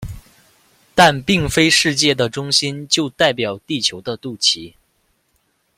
但并非世界的中心就代表地球的肚脐。